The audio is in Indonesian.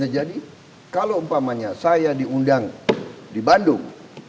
jadi kalau umpamanya saya diundang di bandung